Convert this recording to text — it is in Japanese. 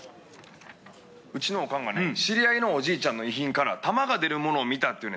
うちのおかんがね、知り合いのおじいちゃんの遺品から弾が出るものを見たって言うね